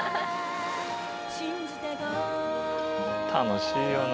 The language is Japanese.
楽しいよな。